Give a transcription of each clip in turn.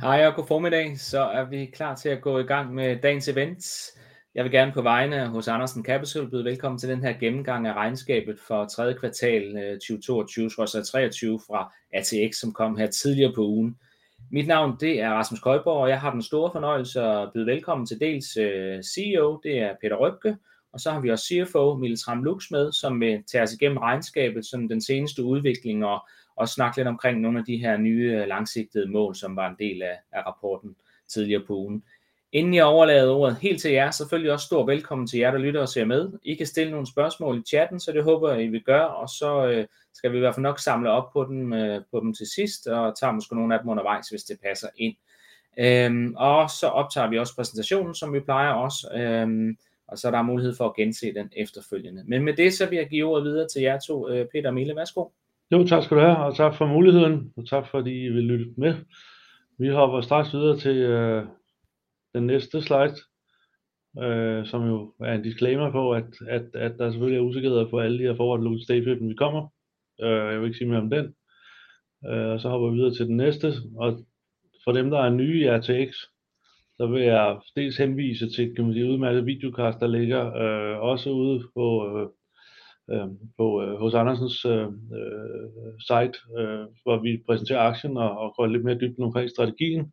Hej og godformiddag, så er vi klar til at gå i gang med dagens event. Jeg vil gerne på vegne af Hos Andersen Capital byde velkommen til den her gennemgang af regnskabet for tredje kvartal 2022/2023 fra ATX, som kom her tidligere på ugen. Mit navn det er Rasmus Køiborg, og jeg har den store fornøjelse at byde velkommen til dels CEO, det er Peter Røbke, og så har vi også CFO, Mille Tram Lux med, som vil tage os igennem regnskabet, sådan den seneste udvikling og snakke lidt omkring nogle af de her nye langsigtede mål, som var en del af rapporten tidligere på ugen. Inden jeg overlader ordet helt til jer, selvfølgelig også stor velkommen til jer, der lytter og ser med. I kan stille nogle spørgsmål i chatten, så det håber jeg, I vil gøre, og så skal vi i hvert fald nok samle op på dem til sidst og tager måske nogle af dem undervejs, hvis det passer ind. Og så optager vi også præsentationen, som vi plejer også, og så er der mulighed for at gense den efterfølgende. Men med det, så vil jeg give ordet videre til jer to. Peter og Mille, værsgo. Jo, tak skal du have, og tak for muligheden, og tak fordi I vil lytte med. Vi hopper straks videre til den næste slide, som jo er en disclaimer på at der selvfølgelig er usikkerheder på alle de her forward looking statements, vi kommer. Jeg vil ikke sige mere om den. Så hopper vi videre til den næste, og for dem der er nye i ATX, så vil jeg dels henvise til et udmærket videocast, der ligger også ude på Hos Andersens site, hvor vi præsenterer aktien og går lidt mere i dybden omkring strategien.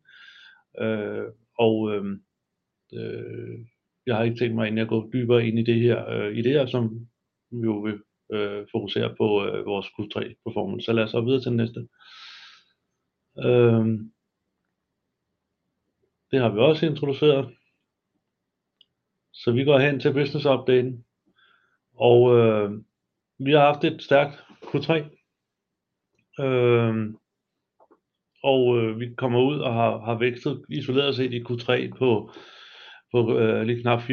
Jeg har ikke tænkt mig at gå dybere ind i det her, som vi jo vil fokusere på vores Q3 performance. Lad os hoppe videre til den næste. Det har vi også introduceret. Vi går hen til business update, og vi har haft et stærkt Q3. Vi kommer ud og har vækstet isoleret set i Q3 på lige knap 4%,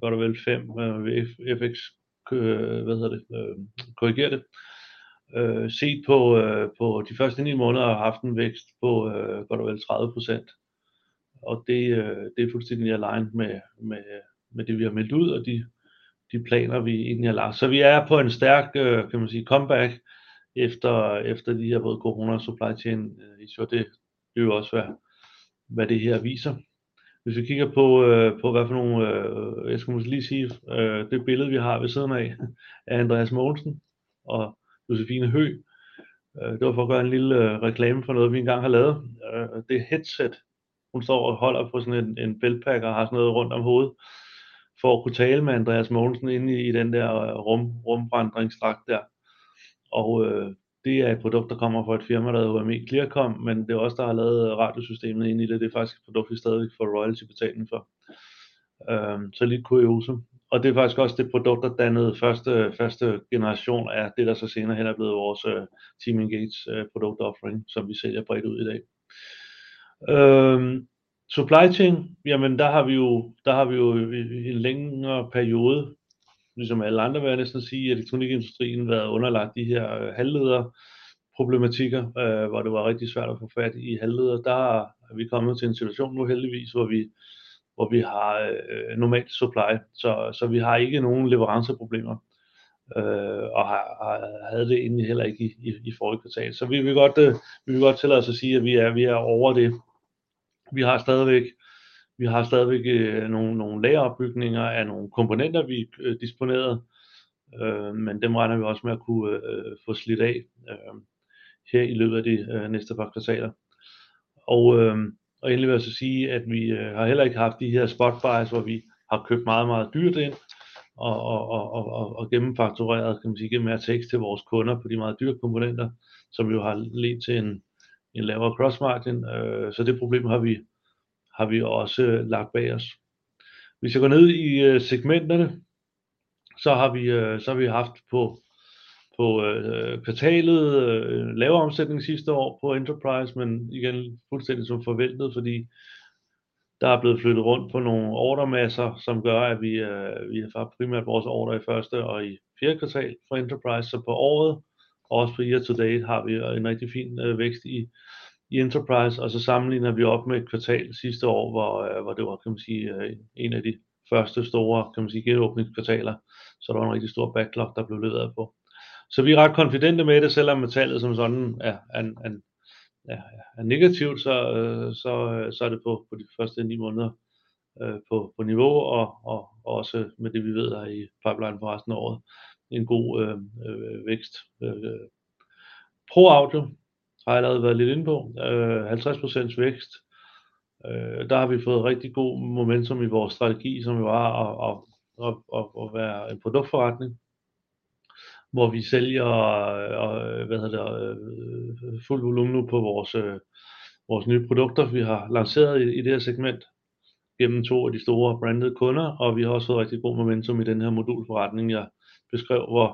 godt og vel 5% med FX korrigeret. Set på de første ni måneder har haft en vækst på godt og vel 30%, og det er fuldstændig i line med det vi har meldt ud, og de planer vi egentlig har lagt. Vi er på en stærk comeback efter både corona og supply chain issues, og det er jo også hvad det her viser. Hvis vi kigger på hvad for nogle... Jeg skulle måske lige sige, det billede vi har ved siden af Andreas Mogensen og Josefine Høgh. Det var for at gøre en lille reklame for noget, vi engang har lavet. Det headset, hun står og holder på sådan en belt pack og har sådan noget rundt om hovedet for at kunne tale med Andreas Mogensen inde i den der rum, rumvandringsdragt der. Det er et produkt, der kommer fra et firma, der hedder ME Clearcom, men det er os, der har lavet radiosystemet inde i det. Det er faktisk et produkt, vi stadigvæk får royalty betaling for. Så lidt kuriosa. Det er faktisk også det produkt, der dannede første, første generation af det, der så senere hen er blevet vores Team Engage produkt offering, som vi sælger bredt ud i dag. Supply chain, jamen der har vi jo, der har vi jo i en længere periode, ligesom alle andre vil jeg næsten sige, i elektronikindustrien været underlagt de her halvlederproblematikker, hvor det var rigtig svært at få fat i halvledere. Der er vi kommet til en situation nu heldigvis, hvor vi har normalt supply. Så vi har ikke nogen leveranceproblemer og havde det egentlig heller ikke i forrige kvartal. Så vi vil godt tillade os at sige, at vi er ovre det. Vi har stadigvæk nogle lageropbygninger af nogle komponenter, vi disponerede, men dem regner vi også med at kunne få slidt af her i løbet af de næste par kvartaler. Og endelig vil jeg så sige, at vi heller ikke har haft de her spot buys, hvor vi har købt meget dyrt ind og gennemfaktureret, kan man sige, gennem ATX til vores kunder på de meget dyre komponenter, som jo har ledt til en lavere gross margin, så det problem har vi også lagt bag os. Hvis jeg går ned i segmenterne, så har vi haft på kvartalet lavere omsætning sidste år på Enterprise, men igen fuldstændig som forventet, fordi der er blevet flyttet rundt på nogle ordremasser, som gør, at vi primært har haft vores ordrer i første og i fjerde kvartal for Enterprise. På året og også på year to date har vi en rigtig fin vækst i Enterprise, og så sammenligner vi op med et kvartal sidste år, hvor det var, kan man sige, en af de første store genåbningskvartaler. Der var en rigtig stor backlog, der blev leveret på. Vi er ret konfidente med det, selvom metallet som sådan er negativt, er det på de første ni måneder på niveau og også med det vi ved er i pipelinen for resten af året. En god vækst. Pro Audio har jeg allerede været lidt inde på. 50% vækst. Der har vi fået rigtig god momentum i vores strategi, som jo var at være en produktforretning, hvor vi sælger fuldt volumen nu på vores nye produkter, vi har lanceret i det her segment gennem to af de store brandede kunder, og vi har også fået rigtig god momentum i den her modulforretning, jeg beskrev, hvor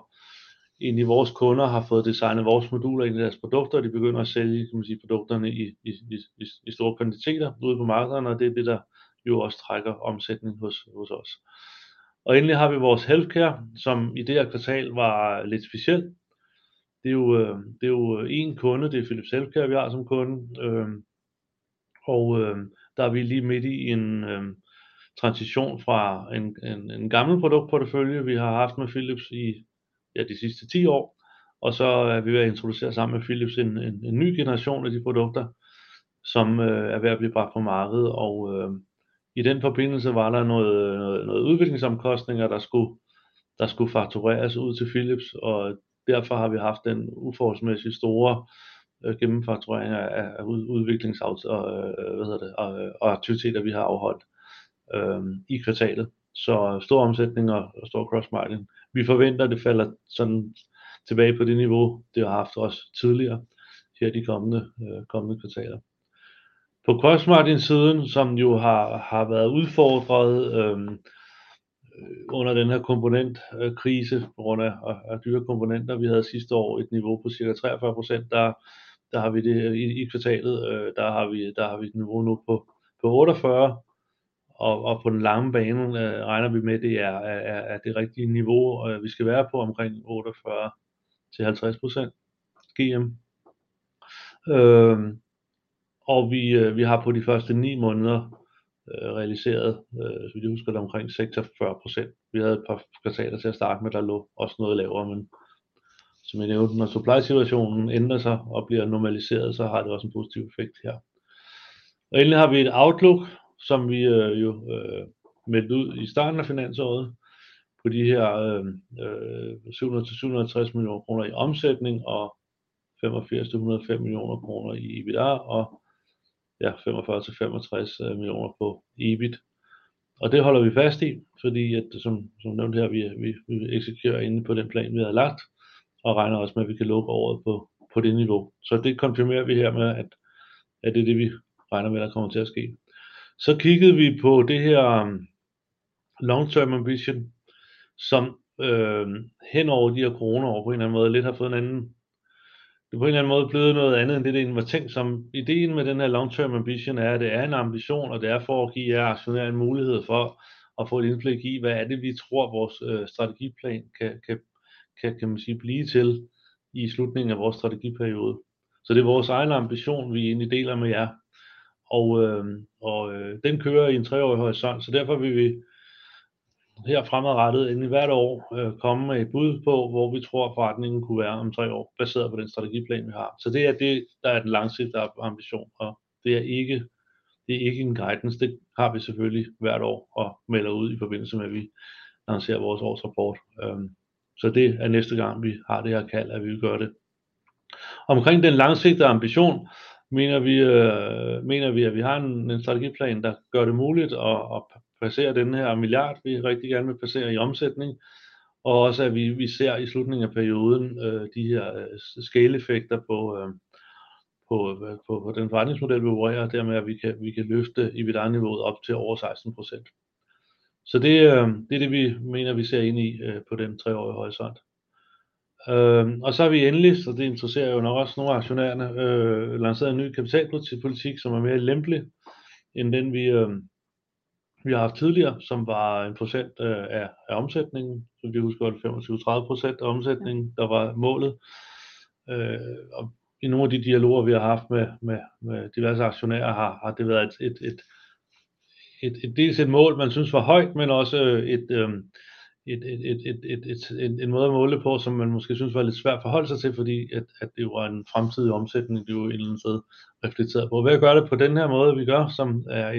egentlig vores kunder har fået designet vores moduler ind i deres produkter, og de begynder at sælge produkterne i store kvantiteter ude på markederne, og det er det, der jo også trækker omsætning hos os. Endelig har vi vores healthcare, som i det her kvartal var lidt speciel. Det er jo en kunde, det er Philips Healthcare, vi har som kunde. Og der er vi lige midt i en transition fra en gammel produktportefølje, vi har haft med Philips i, ja, de sidste ti år. Og så er vi ved at introducere sammen med Philips en ny generation af de produkter, som er ved at blive bragt på markedet. Og i den forbindelse var der noget udviklingsomkostninger, der skulle faktureres ud til Philips, og derfor har vi haft den uforholdsmæssigt store gennemfakturering af udviklings og aktiviteter, vi har afholdt i kvartalet. Så stor omsætning og stor gross margin. Vi forventer, at det falder sådan tilbage på det niveau, det har haft også tidligere her i de kommende kvartaler. På gross margin siden, som jo har været udfordret under den her komponentkrise på grund af dyre komponenter. Vi havde sidste år et niveau på cirka 43%. Der har vi det i kvartalet, der har vi et niveau nu på 48, og på den lange bane regner vi med, at det er det rigtige niveau, vi skal være på omkring 48 til 50% GM. Vi har på de første ni måneder realiseret, hvis I husker det, omkring 46%. Vi havde et par kvartaler til at starte med, der lå også noget lavere, men som jeg nævnte, når supply situationen ændrer sig og bliver normaliseret, så har det også en positiv effekt her. Endelig har vi et outlook, som vi jo meldte ud i starten af finansåret på de her DKK 700 til DKK 760 millioner i omsætning og DKK 85 til DKK 105 millioner i EBITDA og DKK 45 til DKK 65 millioner på EBIT. Og det holder vi fast i, fordi som nævnt her, vi eksekverer inde på den plan, vi havde lagt og regner også med, at vi kan lukke året på det niveau. Så det konfirmerer vi hermed, at det er det, vi regner med, der kommer til at ske. Så kiggede vi på det her long term ambition, som hen over de her corona år på en eller anden måde lidt har fået en anden... Det er på en eller anden måde blevet noget andet, end det var tænkt som. Idéen med den her long term ambition er, at det er en ambition, og det er for at give jer aktionærer en mulighed for at få et indblik i, hvad er det, vi tror, vores strategiplan kan, kan, kan man sige, blive til i slutningen af vores strategiperiode. Det er vores egen ambition, vi egentlig deler med jer, og den kører i en treårig horisont. Derfor vil vi her fremadrettet egentlig hvert år komme med et bud på, hvor vi tror forretningen kunne være om tre år, baseret på den strategiplan vi har. Det er det, der er den langsigtede ambition, og det er ikke en guidance. Det har vi selvfølgelig hvert år og melder ud i forbindelse med, at vi lancerer vores årsrapport. Det er næste gang vi har det her kald, at vi vil gøre det. Omkring den langsigtede ambition mener vi, at vi har en strategiplan, der gør det muligt at passere den her milliard, vi rigtig gerne vil passere i omsætning, og også at vi ser i slutningen af perioden de her scale effekter på den forretningsmodel, vi opererer, og dermed at vi kan løfte EBITDA niveauet op til over 16%. Så det er det, vi mener, vi ser ind i på den treårige horisont. Og så har vi endelig, så det interesserer jo nok også nogle af aktionærerne, lanceret en ny kapitalpolitik, som er mere lempelig end den, vi har haft tidligere, som var 1% af omsætningen. Som I husker godt, 25%, 30% af omsætningen, der var målet. Og i nogle af de dialoger, vi har haft med diverse aktionærer, har det været dels et mål, man syntes var højt, men også en måde at måle det på, som man måske syntes var lidt svært at forholde sig til, fordi at det jo er en fremtidig omsætning, det jo et eller andet sted reflekteret på. Ved at gøre det på den her måde, vi gør, som er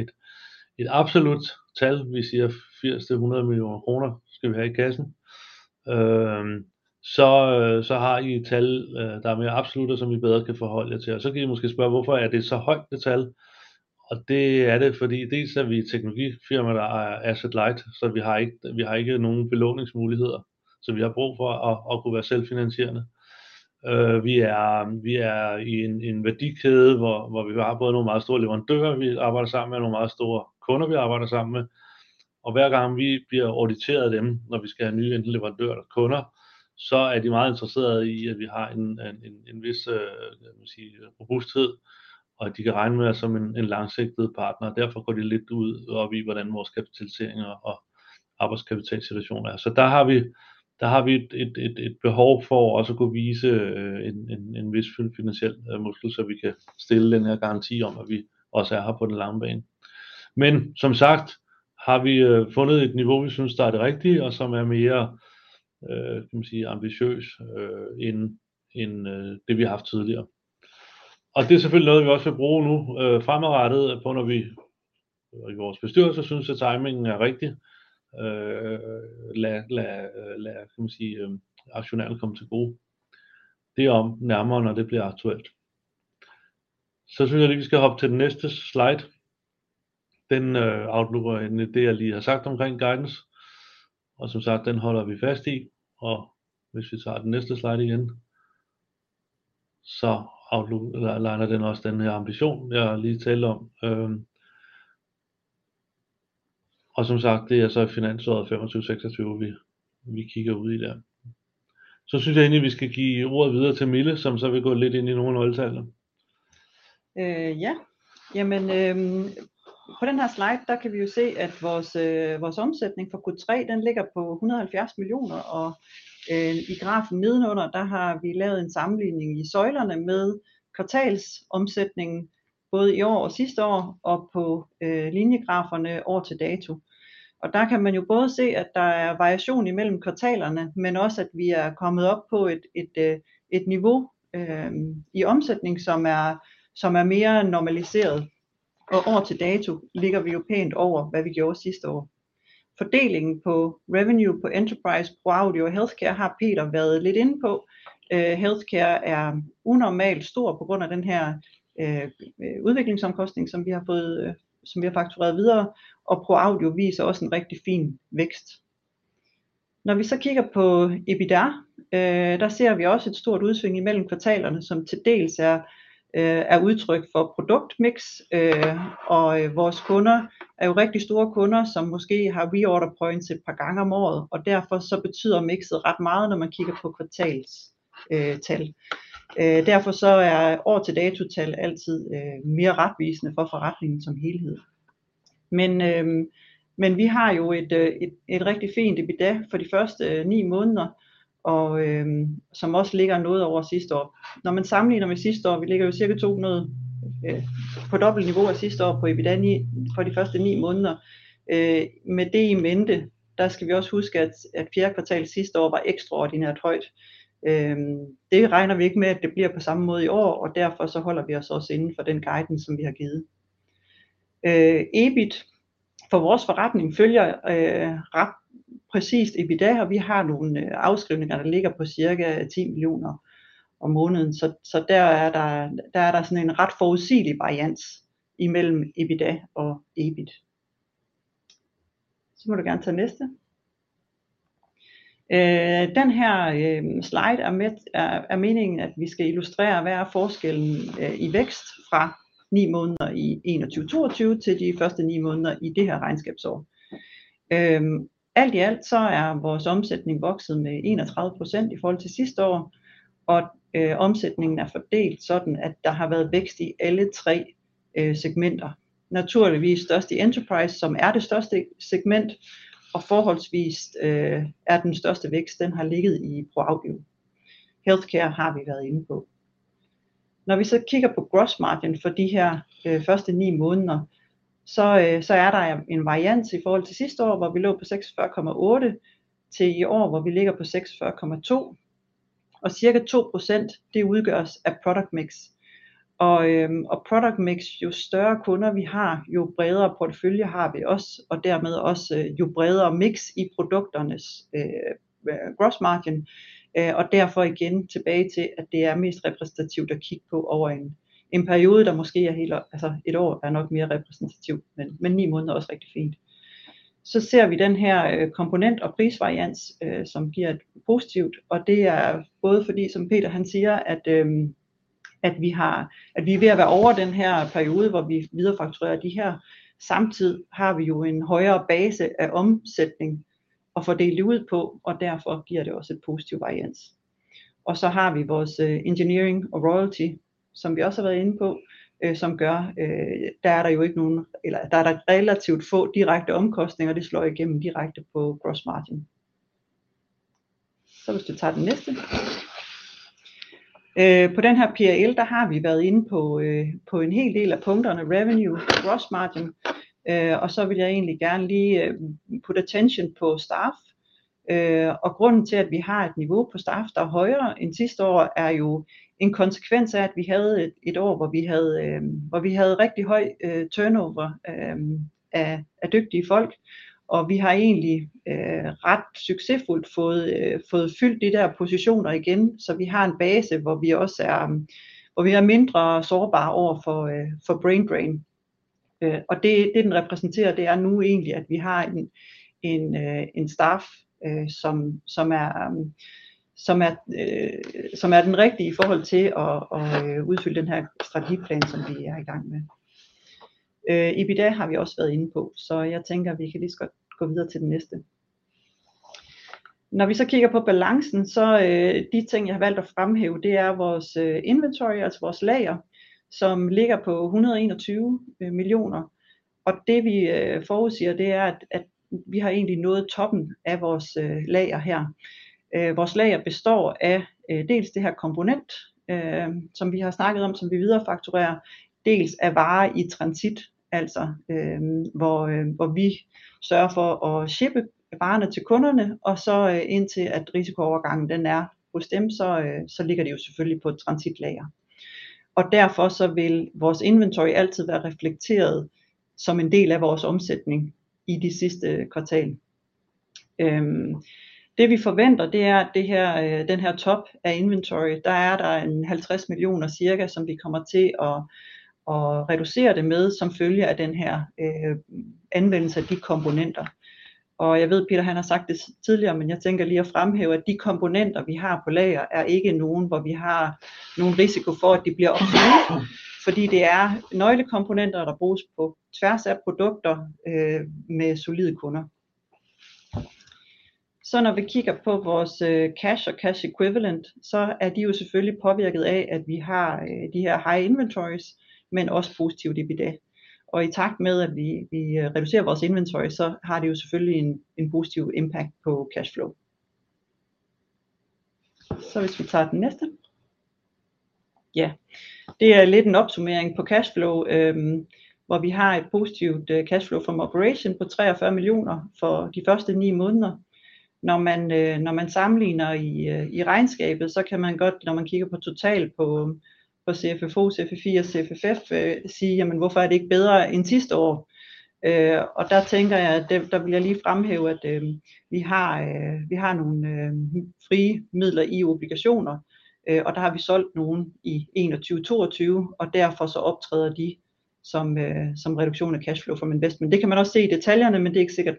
et absolut tal. Vi siger 80 til 100 millioner kroner skal vi have i kassen. Så har I et tal, der er mere absolut, og som I bedre kan forholde jer til. Og så kan I måske spørge: Hvorfor er det så højt et tal? Og det er det, fordi dels er vi et teknologifirma, der er asset light, så vi har ikke nogen belåningsmuligheder, så vi har brug for at kunne være selvfinansierende. Vi er i en værdikæde, hvor vi har både nogle meget store leverandører, vi arbejder sammen med, og nogle meget store kunder, vi arbejder sammen med. Og hver gang vi bliver auditeret af dem, når vi skal have nye enten leverandører eller kunder, så er de meget interesserede i, at vi har en vis robusthed, og at de kan regne med os som en langsigtet partner. Derfor går de lidt ud og i, hvordan vores kapitalisering og arbejdskapital situation er. Så der har vi et behov for også at kunne vise en vis finansiel muskel, så vi kan stille den her garanti om, at vi også er her på den lange bane. Men som sagt har vi fundet et niveau, vi synes, der er det rigtige, og som er mere ambitiøs end det vi har haft tidligere. Det er selvfølgelig noget, vi også vil bruge nu fremadrettet, når vi og vores bestyrelse synes, at timingen er rigtig. Lade aktionærerne komme til gode. Det om nærmere, når det bliver aktuelt. Jeg synes lige, vi skal hoppe til den næste slide. Den afslutter egentlig det, jeg lige har sagt omkring guidance, og som sagt, den holder vi fast i. Hvis vi tager den næste slide igen, afslutter den også den her ambition, jeg lige talte om. Som sagt, det er i finansåret femogtyve, seksogtyve, vi kigger ud i der. Jeg synes egentlig, vi skal give ordet videre til Mille, som vil gå lidt ind i nogle af nøgletallene. På den her slide kan vi jo se, at vores omsætning for Q3 den ligger på 170 millioner, og i grafen nedenunder har vi lavet en sammenligning i søjlerne med kvartals omsætningen både i år og sidste år og på linjegraferne år til dato. Og der kan man jo både se, at der er variation imellem kvartalerne, men også at vi er kommet op på et niveau i omsætning, som er mere normaliseret. Og år til dato ligger vi jo pænt over, hvad vi gjorde sidste år. Fordelingen på revenue på Enterprise Pro Audio og Healthcare har Peter været lidt inde på. Healthcare er unormalt stor på grund af den her udviklingsomkostninger, som vi har fået, som vi har faktureret videre, og Pro Audio viser også en rigtig fin vækst. Når vi så kigger på EBITDA, der ser vi også et stort udsving imellem kvartalerne, som til dels er udtryk for produkt mix. Vores kunder er jo rigtig store kunder, som måske har reorder points et par gange om året, og derfor så betyder mikset ret meget, når man kigger på kvartalstal. Derfor så er år til dato tal altid mere retvisende for forretningen som helhed. Men vi har jo et rigtig fint EBITDA for de første ni måneder, og som også ligger noget over sidste år, når man sammenligner med sidste år. Vi ligger jo cirka 200% på dobbelt niveau af sidste år på EBITDA for de første ni måneder. Med det in mente, der skal vi også huske, at fjerde kvartal sidste år var ekstraordinært højt. Det regner vi ikke med, at det bliver på samme måde i år, og derfor holder vi os også inden for den guidning, som vi har givet. EBIT for vores forretning følger ret præcist EBITDA, og vi har nogle afskrivninger, der ligger på cirka 10 millioner om måneden, så der er der. Der er der sådan en ret forudsigelig varians imellem EBITDA og EBIT. Så må du gerne tage næste. Den her slide er med. Er meningen, at vi skal illustrere hvad er forskellen i vækst fra ni måneder i 21 22 til de første ni måneder i det her regnskabsår? Alt i alt så er vores omsætning vokset med 31% i forhold til sidste år, og omsætningen er fordelt sådan, at der har været vækst i alle tre segmenter. Naturligvis størst i Enterprise, som er det største segment og forholdsvis er den største vækst. Den har ligget i Pro Audio. Healthcare har vi været inde på. Når vi så kigger på gross margin for de her første ni måneder, så er der en varians i forhold til sidste år, hvor vi lå på 46,8% til i år, hvor vi ligger på 46,2%, cirka 2%. Det udgøres af product mix og product mix. Jo større kunder vi har, jo bredere portefølje har vi også og dermed også jo bredere mix i produkternes gross margin. Derfor igen tilbage til, at det er mest repræsentativt at kigge på over en periode, der måske er helt. Altså et år er nok mere repræsentativt, men ni måneder er også rigtig fint. Så ser vi den her komponent og pris varians, som giver et positivt. Og det er både fordi, som Peter han siger, at vi har, at vi er ved at være ovre den her periode, hvor vi viderefakturere de her. Samtidig har vi jo en højere base af omsætning at fordele det ud på, og derfor giver det også et positivt varians. Og så har vi vores engineering og royalty, som vi også har været inde på, som gør. Der er der jo ikke nogen, eller der er der relativt få direkte omkostninger. Det slår igennem direkte på gross margin. Så hvis du tager den næste. På den her PAL, der har vi været inde på en hel del af punkterne revenue gross margin. Og så vil jeg egentlig gerne lige putte attention på staff. Grunden til, at vi har et niveau på staff, der er højere end sidste år, er jo en konsekvens af, at vi havde et år, hvor vi havde rigtig høj turnover af dygtige folk, og vi har egentlig ret succesfuldt fået fyldt de der positioner igen. Så vi har en base, hvor vi også er mindre sårbare over for brain drain. Det repræsenterer, at vi har en staff, som er den rigtige i forhold til at udfylde den her strategiplan, som vi er i gang med. EBITDA har vi også været inde på, så jeg tænker, at vi kan lige så godt gå videre til den næste. Når vi så kigger på balancen, så de ting jeg har valgt at fremhæve, det er vores inventory, altså vores lager, som ligger på 121 millioner. Det vi forudsiger, det er, at vi har egentlig nået toppen af vores lager her. Vores lager består af dels det her komponent, som vi har snakket om, som vi viderefakturere, dels af varer i transit, altså hvor vi sørger for at shippe varerne til kunderne. Indtil at risikoovergangen er hos dem, så ligger det jo selvfølgelig på et transitlager, og derfor vil vores inventory altid være reflekteret som en del af vores omsætning i de sidste kvartaler. Det vi forventer, er, at det her, den her top af inventory, der er der en 50 millioner cirka, som vi kommer til at reducere det med som følge af den her anvendelse af de komponenter. Og jeg ved, Peter, han har sagt det tidligere, men jeg tænker lige at fremhæve, at de komponenter, vi har på lager, er ikke nogen, hvor vi har nogen risiko for, at de bliver obsolet, fordi det er nøglekomponenter, der bruges på tværs af produkter med solide kunder. Så når vi kigger på vores cash og cash equivalent, så er de jo selvfølgelig påvirket af, at vi har de her high inventories, men også positivt DPD. Og i takt med at vi reducerer vores inventory, så har det jo selvfølgelig en positiv impact på cash flow. Hvis vi tager den næste. Ja, det er lidt en opsummering på cash flow, hvor vi har et positivt cash flow from operation på 43 millioner for de første ni måneder. Når man sammenligner i regnskabet, så kan man godt, når man kigger på totalt på CFFO, CFIF og CFF, sige jamen hvorfor er det ikke bedre end sidste år? Og der tænker jeg, at der vil jeg lige fremhæve, at vi har nogle frie midler i obligationer, og der har vi solgt nogle i enogtyve toogtyve, og derfor så optræder de som reduktion af cash flow from investment. Det kan man også se i detaljerne, men det er ikke sikkert,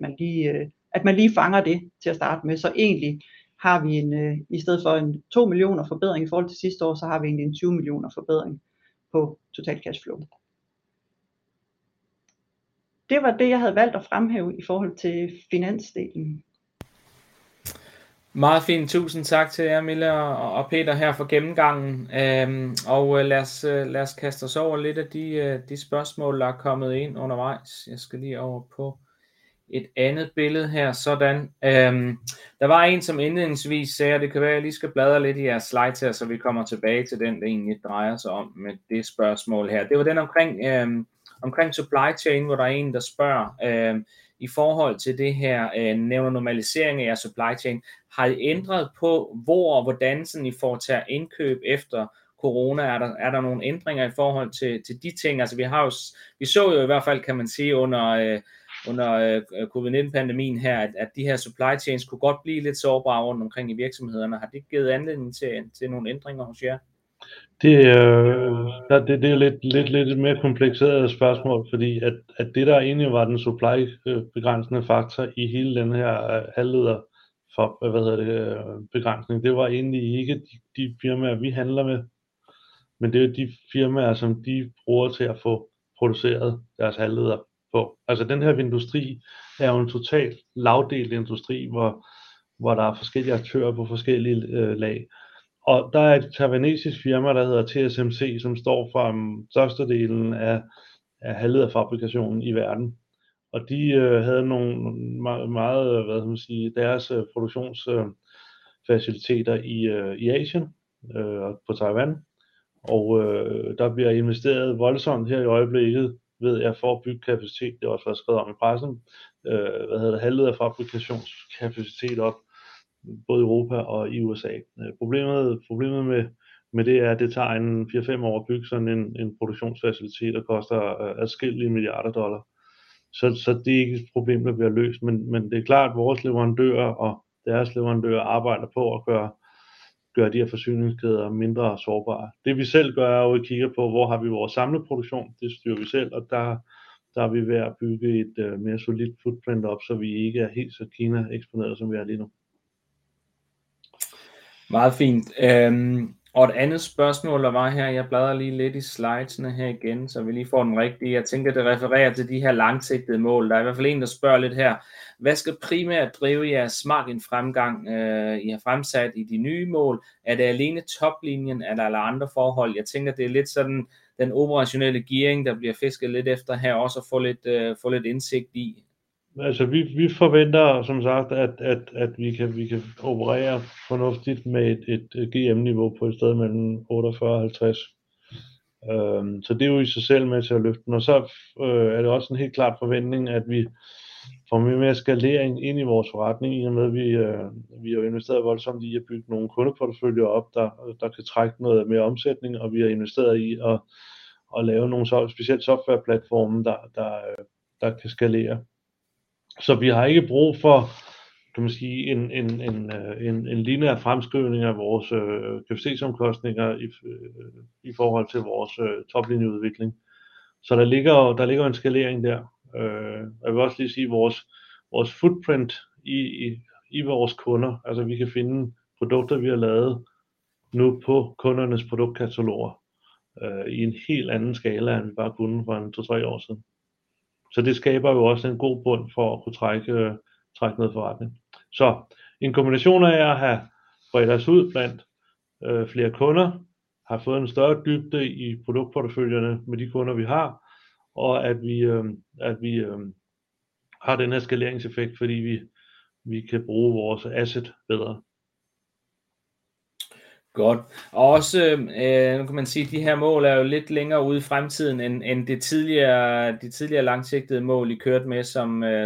at man lige fanger det til at starte med. Så egentlig har vi en i stedet for en to millioner forbedring i forhold til sidste år. Så har vi en tyve millioner forbedring på total cash flow. Det var det, jeg havde valgt at fremhæve i forhold til finans delen. Meget fint. Tusind tak til jer Mille og Peter her for gennemgangen. Lad os kaste os over lidt af de spørgsmål, der er kommet ind undervejs. Jeg skal lige over på et andet billede her, sådan. Der var en, som indledningsvis sagde, at det kan være, jeg lige skal bladre lidt i jeres slides her, så vi kommer tilbage til den, det egentlig drejer sig om. Men det spørgsmål her, det var den omkring supply chain, hvor der er en, der spørger i forhold til det her normalisering af jeres supply chain. Har I ændret på hvor og hvordan I foretager indkøb efter Corona? Er der nogle ændringer i forhold til de ting? Altså, vi har jo. Vi så jo i hvert fald, kan man sige under COVID-19 pandemien her, at de her supply chains kunne godt blive lidt sårbare rundt omkring i virksomhederne. Har det givet anledning til nogle ændringer hos jer? Det er det. Det er lidt et mere komplekst spørgsmål, fordi at det, der egentlig var den supply begrænsende faktor i hele denne her halvleder, hvad hedder det, begrænsning, det var egentlig ikke de firmaer, vi handler med, men det er de firmaer, som de bruger til at få produceret deres halvledere på. Altså den her industri er jo en totalt lagdelt industri, hvor der er forskellige aktører på forskellige lag. Og der er et taiwanesisk firma, der hedder TSMC, som står for størstedelen af halvlederfabrikationen i verden, og de havde nogle meget, hvad skal man sige, deres produktionsfaciliteter i Asien og på Taiwan, og der bliver investeret voldsomt her i øjeblikket ved jeg for at bygge kapacitet. Det er også blevet skrevet om i pressen, hvad hedder det, halvlederfabrikationskapacitet op både i Europa og i USA. Problemet. Problemet med det er, at det tager fire fem år at bygge sådan en produktionsfacilitet og koster adskillige milliarder dollar, så det problem, der bliver løst. Men det er klart, at vores leverandører og deres leverandører arbejder på at gøre de her forsyningskæder mindre sårbare. Det, vi selv gør, er, at vi kigger på hvor har vi vores samlede produktion. Det styrer vi selv, og der er vi ved at bygge et mere solidt footprint op, så vi ikke er helt så Kina eksponeret, som vi er lige nu. Meget fint. Og et andet spørgsmål der var her. Jeg bladrer lige lidt i slidesne her igen, så vi lige får den rigtige. Jeg tænker, at det refererer til de her langsigtede mål. Der er i hvert fald en, der spørger lidt her. Hvad skal primært drive jeres margin fremgang? I har fremsat i de nye mål. Er det alene top linjen? Er der eller andre forhold? Jeg tænker, at det er lidt sådan den operationelle gearing, der bliver fisket lidt efter her, også at få lidt indsigt i. Altså, vi forventer som sagt, at vi kan operere fornuftigt med et GM-niveau på et sted mellem 44 og 50, så det er jo i sig selv med til at løfte. Og så er det også en helt klar forventning, at vi får mere skalering ind i vores forretning, i og med vi har investeret voldsomt i at bygge nogle kundeporteføljer op, der kan trække noget mere omsætning, og vi har investeret i at lave nogle specielt softwareplatforme, der kan skalere. Så vi har ikke brug for en lineær fremskrivning af vores KFC-omkostninger i forhold til vores toplinje-udvikling. Så der ligger en skalering der. Jeg vil også lige sige vores footprint i vores kunder. Vi kan finde produkter, vi har lavet nu på kundernes produktkataloger i en helt anden skala, end vi bare kunne for to tre år siden. Det skaber jo også en god bund for at kunne trække forretning. En kombination af at have bredt os ud blandt flere kunder, har fået en større dybde i produktporteføljen med de kunder vi har, og at vi har den her skaleringseffekt, fordi vi kan bruge vores assets bedre. Godt. Og også kunne man sige, de her mål er jo lidt længere ude i fremtiden end det tidligere. De tidligere langsigtede mål I kørte med,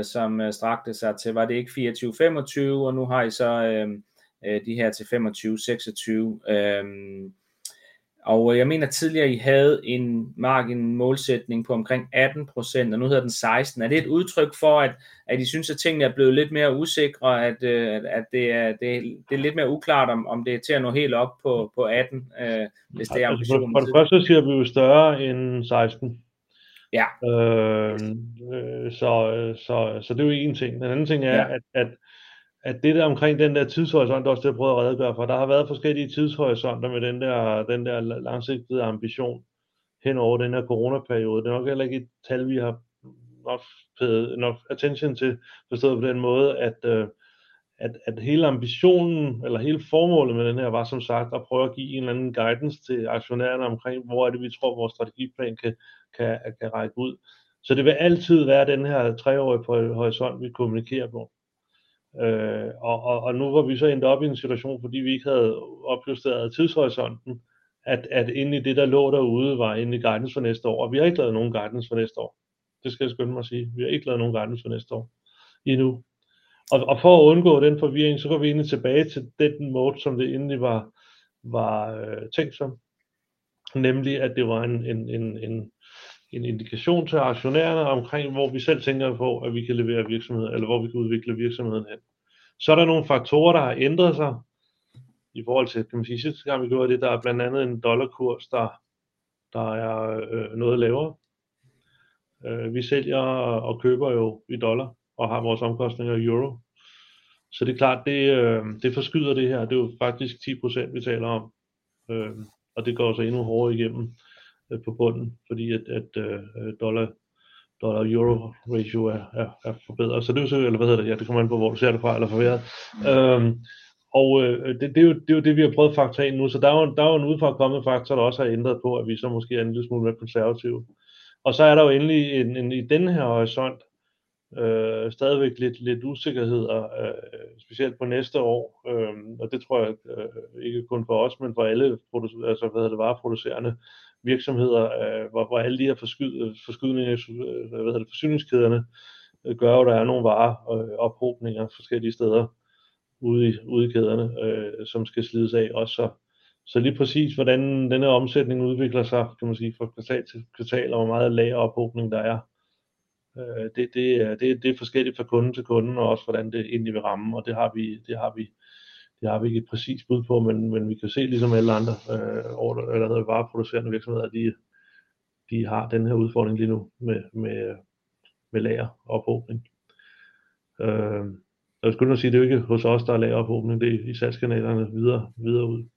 som strakte sig til, var det ikke fireogtyve femogtyve? Og nu har I så de her til femogtyve seksogtyve, og jeg mener tidligere I havde en margin målsætning på omkring 18%, og nu hedder den 16%. Er det et udtryk for at I synes at tingene er blevet lidt mere usikre, og at det er lidt mere uklart om det er til at nå helt op på 18%, hvis det er ambitionen? For det første siger vi jo større end 16. Ja, så det er jo én ting. Den anden ting er, at det der omkring den der tidshorisont også til at prøve at redegøre for. Der har været forskellige tidshorisonter med den der langsigtede ambition hen over den her corona periode. Det er nok heller ikke et tal, vi har nok fået nok attention til, forstået på den måde, at hele ambitionen eller hele formålet med den her var som sagt at prøve at give en eller anden guidance til aktionærerne omkring, hvor er det, vi tror, vores strategiplan kan række ud. Så det vil altid være den her treårige horisont, vi kommunikerer på. Nu var vi så endt op i en situation, fordi vi ikke havde opjusteret tidshorizonten, at egentlig det, der lå derude, var egentlig guidance for næste år. Og vi har ikke lavet nogen guidance for næste år. Det skal jeg skynde mig at sige. Vi har ikke lavet nogen guidance for næste år endnu. Og for at undgå den forvirring, så går vi egentlig tilbage til den mode, som det egentlig var tænkt som. Nemlig at det var en indikation til aktionærerne omkring, hvor vi selv tænker på, at vi kan levere virksomheden, eller hvor vi kan udvikle virksomheden hen. Så er der nogle faktorer, der har ændret sig i forhold til, kan man sige, sidste gang vi gjorde det. Der er blandt andet en dollarkurs, der er noget lavere. Vi sælger og køber jo i dollar og har vores omkostninger i euro, så det er klart, det forskyder det her. Det er jo faktisk 10%, vi taler om, og det går så endnu hårdere igennem på bunden, fordi at dollar-euro ratio er forbedret. Så det er jo, eller hvad hedder det? Ja, det kommer an på, hvor du ser det fra eller forværret. Og det er jo det, vi har prøvet at faktore ind nu. Så der er jo en udefrakommende faktor, der også har ændret på, at vi så måske er en lille smule mere konservative. Og så er der jo endelig en i denne her horisont stadigvæk lidt usikkerhed og specielt på næste år. Og det tror jeg ikke kun for os, men for alle. Altså, hvad hedder det, vareproducerende virksomheder, hvor alle de her forskydninger, forsyningskæderne gør, at der er nogle vareophobninger forskellige steder ude i kæderne, som skal slides af også. Lige præcis hvordan denne omsætning udvikler sig fra kvartal til kvartal, og hvor meget lagerophobning der er, det er forskelligt fra kunde til kunde, og også hvordan det egentlig vil ramme. Og det har vi ikke et præcist bud på. Men vi kan jo se ligesom alle andre vareproducerende virksomheder, at de har den her udfordring lige nu med lagerophobning. Og jeg skynder mig at sige, det er jo ikke hos os, der er lagerophobning. Det er i salgskanalerne videre ude.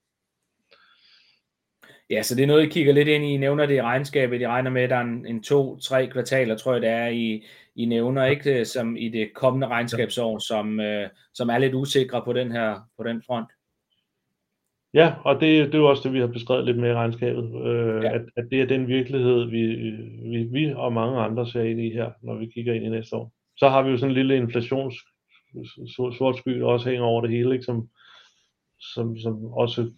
Ja, så det er noget I kigger lidt ind i. I nævner det i regnskabet. I regner med at der er to, tre kvartaler, tror jeg det er I nævner, ikke? Som i det kommende regnskabsår, som er lidt usikre på den her, på den front. Ja, og det er jo også det, vi har beskrevet lidt med i regnskabet, at det er den virkelighed vi, vi og mange andre ser ind i her, når vi kigger ind i næste år. Så har vi jo sådan en lille inflations sort sky også hænge over det hele, ikke, som også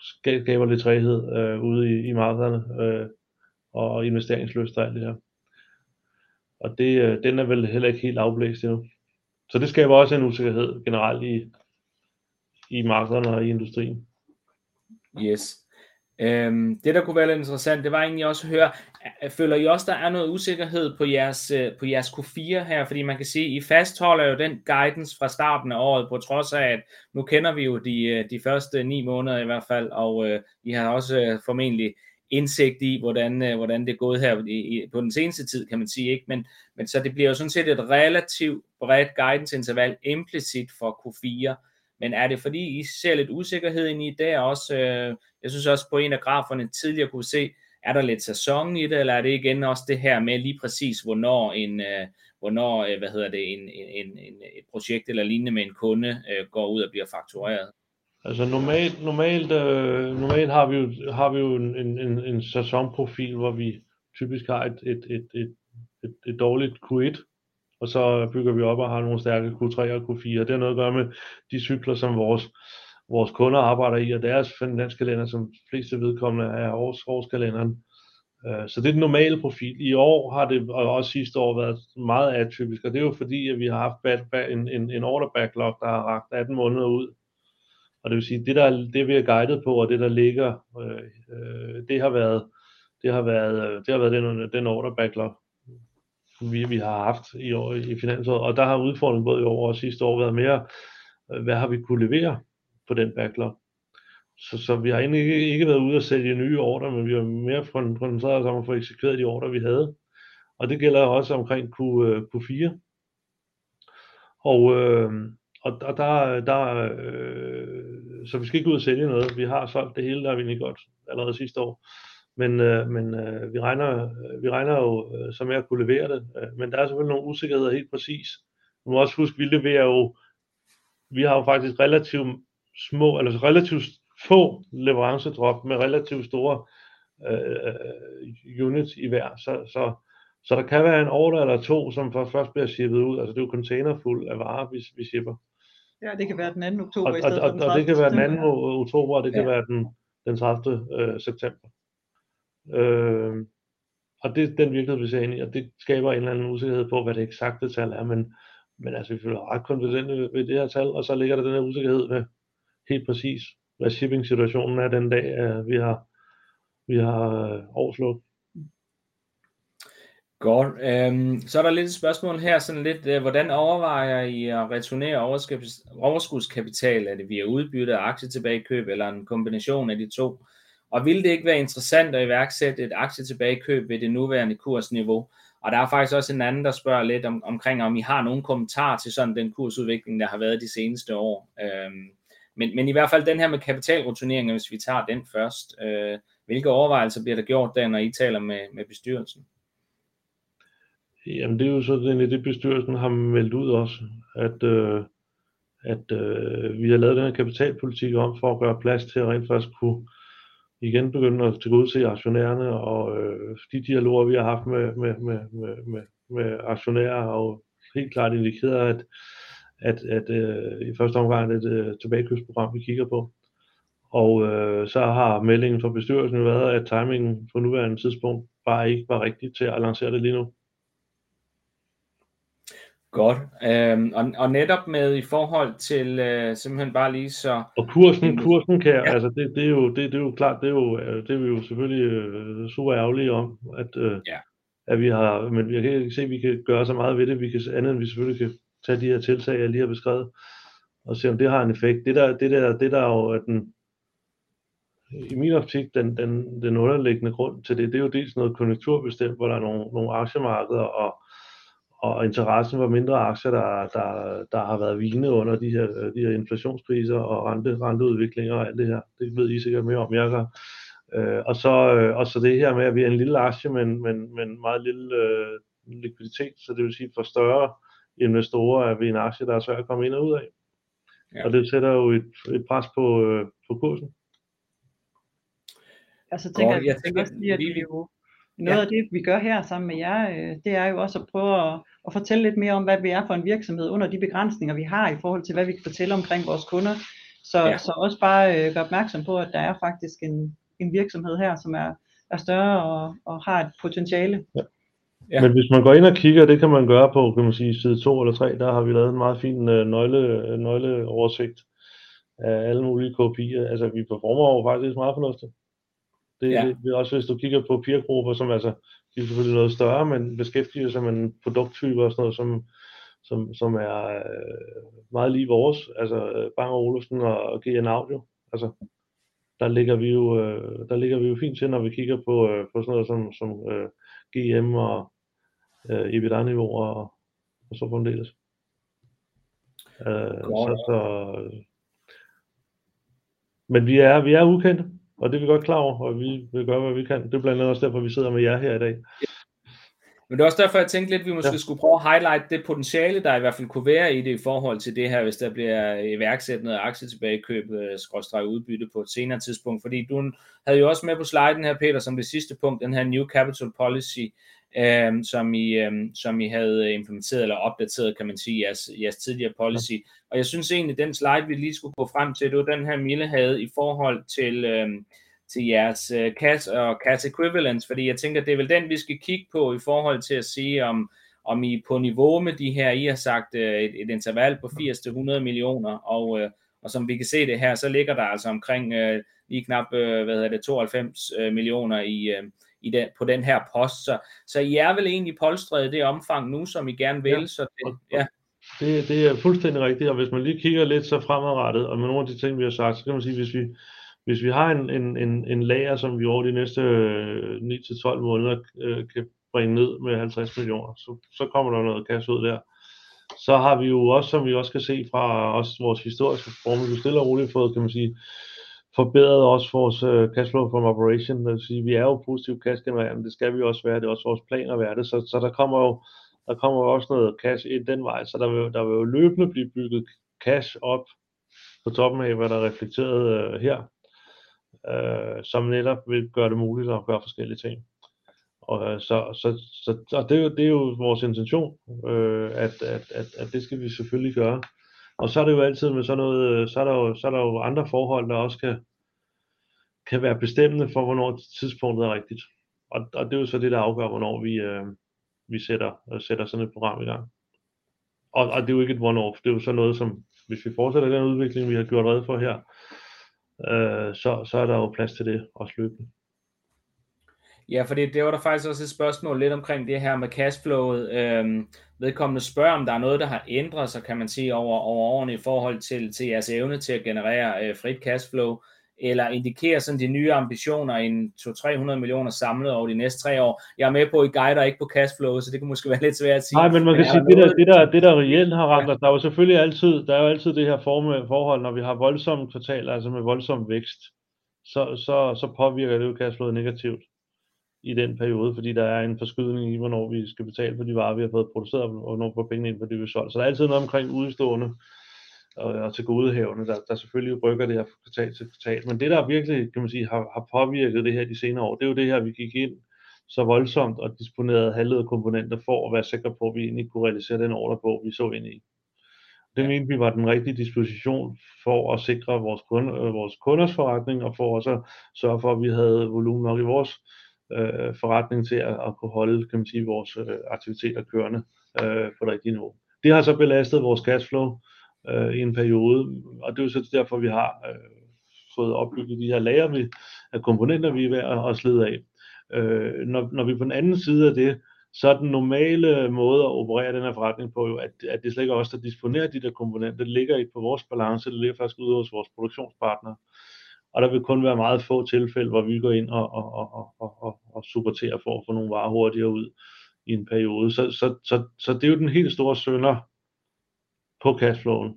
skaber lidt træghed ude i markederne og investeringslyst og alt det der. Den er vel heller ikke helt afblæst endnu, så det skaber også en usikkerhed generelt i markederne og i industrien. Yes. Det, der kunne være lidt interessant, det var egentlig også at høre, føler I også, at der er noget usikkerhed på jeres Q4 her? Fordi man kan sige, I fastholder jo den guidance fra starten af året, på trods af at nu kender vi jo de første ni måneder i hvert fald, og I har også formentlig indsigt i, hvordan det er gået her på den seneste tid, kan man sige, ikke? Men så det bliver jo sådan set et relativt bredt guidance interval implicit for Q4. Men er det, fordi I ser lidt usikkerhed ind i det også? Jeg synes også på en af graferne tidligere kunne se, er der lidt sæson i det, eller er det igen også det her med lige præcis hvornår et projekt eller lignende med en kunde går ud og bliver faktureret? Altså normalt, normalt, normalt har vi jo en sæsonprofil, hvor vi typisk har et dårligt Q1, og så bygger vi op og har nogle stærke Q3 og Q4. Det har noget at gøre med de cykler, som vores kunder arbejder i, og deres finanskalender, som for det fleste vedkommende er årskalenderen. Så det er den normale profil. I år har det også sidste år været meget atypisk, og det er jo fordi, at vi har haft en order backlog, der har rakt atten måneder ud. Det vil sige det, der er, det vi har guidet på, og det, der ligger, det har været den order backlog, vi har haft i år i finansåret, og der har udfordringen både i år og sidste år været mere, hvad har vi kunnet levere på den backlog? Så vi har egentlig ikke været ude og sælge nye ordrer, men vi har mere koncentreret os om at få eksekveret de ordrer, vi havde, og det gælder også omkring Q4. Og der... Så vi skal ikke ud og sælge noget. Vi har solgt det hele. Det har vi egentlig godt allerede sidste år. Men vi regner jo med at kunne levere det. Men der er selvfølgelig nogle usikkerheder helt præcis. Du må også huske, vi leverer jo, vi har jo faktisk relativt små eller relativt få leverancedrop med relativt store units i hver. Så der kan være en ordre eller to, som først bliver shippet ud. Altså det er jo container fuld af varer, vi shipper. Ja, det kan være den anden oktober i stedet for den tredivte. Det kan være den anden oktober, og det kan være den tredivte september. Det er den virkelighed, vi ser ind i, og det skaber en eller anden usikkerhed på, hvad det eksakte tal er. Men vi føler os ret konfident ved det her tal. Så ligger der den her usikkerhed ved helt præcis, hvad shipping situationen er den dag, vi har årsslut. Godt. Så er der lidt et spørgsmål her, sådan lidt hvordan overvejer I at returnere overskud, overskudskapital? Er det via udbytte og aktietilbagekøb eller en kombination af de to? Og ville det ikke være interessant at iværksætte et aktietilbagekøb ved det nuværende kursniveau? Og der er faktisk også en anden, der spørger lidt omkring, om I har nogle kommentarer til sådan den kursudvikling, der har været de seneste år. Men i hvert fald den her med kapitalreturnering, hvis vi tager den først. Hvilke overvejelser bliver der gjort der, når I taler med bestyrelsen? Jamen, det er jo sådan, bestyrelsen har meldt ud også, at vi har lavet den her kapitalpolitik om for at gøre plads til rent faktisk at kunne igen begynde at tilgodese aktionærerne. Og de dialoger, vi har haft med aktionærer, har jo helt klart indikeret, at i første omgang er det tilbagekøbsprogram, vi kigger på. Og så har meldingen fra bestyrelsen jo været, at timingen på nuværende tidspunkt bare ikke var rigtig til at lancere det lige nu. Godt. Og netop med i forhold til simpelthen bare lige så. Og kursen kan, altså det er jo klart. Det er vi jo selvfølgelig super ærgerlige om, at vi har. Men jeg kan ikke se, at vi kan gøre så meget ved det, andet end vi selvfølgelig kan tage de her tiltag, jeg lige har beskrevet og se, om det har en effekt. Det der er i min optik den underliggende grund til det. Det er jo dels noget konjunkturbetinget, hvor der er nogle aktiemarkeder og interessen for mindre aktier, der har været vigende under de her inflationspriser og renteudvikling og alt det her. Det ved I sikkert mere om jer. Og så det her med, at vi er en lille aktie, men med meget lille likviditet. Så det vil sige, for større investorer er vi en aktie, der er svær at komme ind og ud af, og det sætter jo et pres på kursen. Så tænker jeg også, at det jo noget af det, vi gør her sammen med jer. Det er jo også at prøve at fortælle lidt mere om, hvad vi er for en virksomhed under de begrænsninger, vi har i forhold til, hvad vi kan fortælle omkring vores kunder. Så også bare gøre opmærksom på, at der er faktisk en virksomhed her, som er større og har et potentiale. Men hvis man går ind og kigger, det kan man gøre på. Kan man sige side to eller tre? Der har vi lavet en meget fin nøgleoversigt af alle mulige KPI'er. Altså, vi performer jo faktisk meget fornuftigt. Det er også, hvis du kigger på peer grupper, som altså de er selvfølgelig noget større, men beskæftiger sig med en produkttype og sådan noget som er meget lig vores. Altså Bang og Olufsen og GN Audio. Altså, der ligger vi jo. Der ligger vi jo fint til, når vi kigger på sådan noget som GM og EBITDA niveau og så fremdeles. Men vi er ukendte, og det er vi godt klar over, og vi vil gøre, hvad vi kan. Det er blandt andet også derfor, vi sidder med jer her i dag. Men det er også derfor, jeg tænkte, at vi måske skulle prøve at highlighte det potentiale, der i hvert fald kunne være i det i forhold til det her, hvis der bliver iværksat et aktietilbagekøb skråstreg udbytte på et senere tidspunkt. Fordi du havde jo også med på sliden her, Peter, som det sidste punkt, den her New Capital Policy, som I havde implementeret eller opdateret, kan man sige jeres tidligere policy. Jeg synes egentlig, den slide vi lige skulle gå frem til, det var den her Mille havde i forhold til jeres kasse og kasse equivalents. Fordi jeg tænker, at det er vel den, vi skal kigge på i forhold til at sige, om I er på niveau med de her. I har sagt et interval på 80 til 100 millioner, og som vi kan se det her, så ligger der altså omkring lige knap. Hvad hedder det? 92 millioner på den her post, så I er vel egentlig polstret i det omfang nu, som I gerne vil? Så ja. Det er fuldstændig rigtigt, og hvis man lige kigger lidt fremadrettet og med nogle af de ting vi har sagt, så kan man sige, hvis vi har en lager som vi over de næste 9 til 12 måneder kan bringe ned med 50 millioner, så kommer der noget cash ud der. Så har vi jo også, som vi også kan se fra vores historiske performance, stille og roligt fået, kan man sige, forbedret også vores cash flow from operation. Det vil sige, vi er jo positivt cash genererende. Det skal vi også være. Det er også vores plan at være det. Så der kommer jo, der kommer jo også noget cash ind den vej, så der vil løbende blive bygget cash op på toppen af hvad der er reflekteret her, som netop vil gøre det muligt at gøre forskellige ting. Det er jo vores intention, at det skal vi selvfølgelig gøre. Og så er det jo altid med sådan noget, så er der jo andre forhold, der også kan være bestemmende for, hvornår tidspunktet er rigtigt. Og det er jo så det, der afgør, hvornår vi sætter sådan et program i gang. Og det er jo ikke et one off. Det er jo sådan noget, som hvis vi fortsætter den udvikling, vi har gjort rede for her, så er der jo plads til det også løbende. Ja, for det var der faktisk også et spørgsmål lidt omkring det her med cash flowet. Vedkommende spørger, om der er noget, der har ændret sig. Kan man sige over årene i forhold til jeres evne til at generere frit cash flow eller indikere, at de nye ambitioner en 200-300 millioner samlet over de næste tre år? Jeg er med på, at I guider ikke på cash flow, så det kan måske være lidt svært at sige. Nej, men man kan sige det, det der reelt har ramt os, der er jo selvfølgelig altid, der er jo altid det her forhold, når vi har voldsomme kvartaler med voldsom vækst, så påvirker det jo cash flowet negativt i den periode, fordi der er en forskydning i hvornår vi skal betale for de varer vi har fået produceret, og hvornår vi får pengene ind for det vi har solgt. Så der er altid noget omkring udestående og tilgodehavender, der selvfølgelig rykker det her fra kvartal til kvartal. Men det, der virkelig har påvirket det her de senere år, det er jo det her. Vi gik ind så voldsomt og disponerede halvlederkomponenter for at være sikre på, at vi egentlig kunne realisere den ordrebog vi så ind i. Det mente vi var den rigtige disposition for at sikre vores kunder, vores kunders forretning og for også at sørge for, at vi havde volumen nok i vores forretning til at kunne holde vores aktiviteter kørende på det rigtige niveau. Det har så belastet vores cash flow i en periode, og det er jo så derfor, vi har fået opbygget de her lagre af komponenter, vi er ved at slide af. Når vi er på den anden side af det, så er den normale måde at operere den her forretning på jo, at det slet ikke er os, der disponerer de der komponenter. Det ligger ikke på vores balance. Det ligger faktisk ude hos vores produktionspartnere, og der vil kun være meget få tilfælde, hvor vi går ind og supporterer for at få nogle varer hurtigere ud i en periode. Det er jo den helt store synder på cash flowet.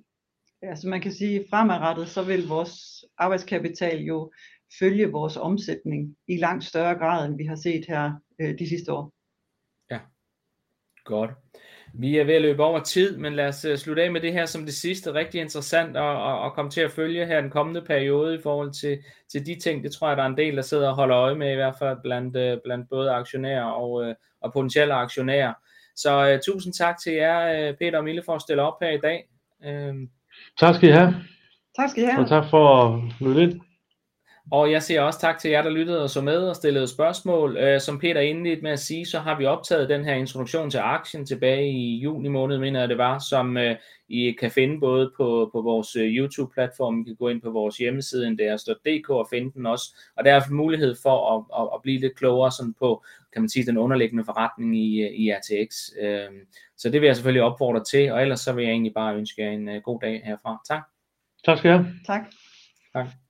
Man kan sige fremadrettet, så vil vores arbejdskapital jo følge vores omsætning i langt større grad, end vi har set her de sidste år. Ja. Godt, vi er ved at løbe over tid, men lad os slutte af med det her som det sidste. Rigtig interessant og komme til at følge her i den kommende periode i forhold til de ting. Det tror jeg, der er en del der sidder og holder øje med, i hvert fald blandt både aktionærer og potentielle aktionærer. Så tusind tak til jer Peter og Mille for at stille op her i dag. Tak skal I have. Tak skal I have. Og tak for at lytte. Jeg siger også tak til jer, der lyttede og så med og stillede spørgsmål. Som Peter indledte med at sige, så har vi optaget den her introduktion til aktien tilbage i juni måned, mener jeg, det var. Som I kan finde både på vores YouTube platform. I kan gå ind på vores hjemmeside end det står dk og finde den også, og der er mulighed for at blive lidt klogere på, kan man sige, den underliggende forretning i RTX. Så det vil jeg selvfølgelig opfordre til. Ellers så vil jeg egentlig bare ønske jer en god dag herfra. Tak. Tak skal I have. Tak. Tak!